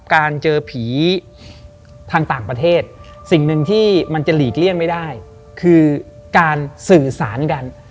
การเจอผีทางต่างประเทศสิ่งหนึ่งที่มันจะหลีกเลี่ยงไม่ได้คือการสื่อสารกัน